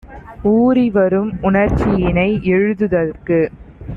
ஊறிவரும் உணர்ச்சியினை எழுது தற்கு